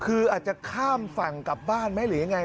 คืออาจจะข้ามฝั่งกลับบ้านไหมหรือยังไง